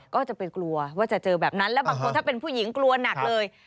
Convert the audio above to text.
ก็จะไปกลัวว่าจะเจอแบบนั้นแล้วบางคนถ้าเป็นผู้หญิงกลัวหนักเลย